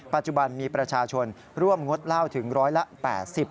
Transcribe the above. ปัจจุบันมีประชาชนร่วมงดเหล้าถึงร้อยละ๘๐